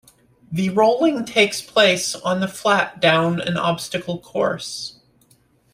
The rolling takes place on the flat down an obstacle course.